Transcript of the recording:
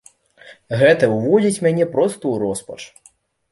Гэта ўводзіць мяне проста ў роспач.